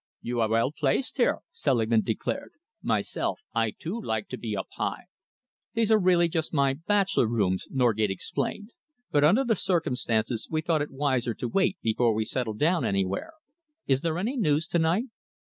"You are well placed here," Selingman declared. "Myself, I too like to be high up." "These are really just my bachelor rooms," Norgate explained, "but under the circumstances we thought it wiser to wait before we settled down anywhere. Is there any news to night?"